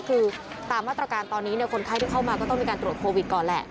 คือตามมาตรการตอนนี้คนไข้ที่เข้ามาก็ต้องมีการตรวจโควิดก่อนแหละ